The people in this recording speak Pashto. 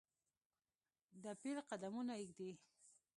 دپیل قدمونه ایږدي